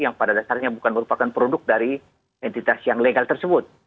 yang pada dasarnya bukan merupakan produk dari entitas yang legal tersebut